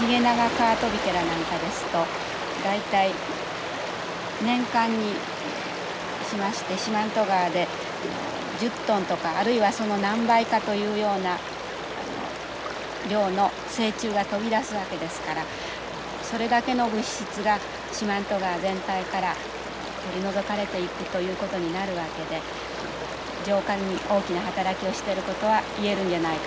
ヒゲナガカワトビケラなんかですと大体年間にしまして四万十川で１０トンとかあるいはその何倍かというような量の成虫が飛び出すわけですからそれだけの物質が四万十川全体から取り除かれていくということになるわけで浄化に大きな働きをしていることは言えるんじゃないかと。